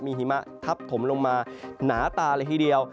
หิมะทับถมลงมาหนาตาเลยทีเดียว